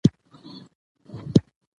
بې پلانه هڅه وخت ضایع کوي.